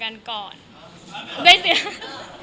แสดงว่าตอนนั้นเนี่ยก็เป็นแปลงใครแล้วใช่ไหมคะ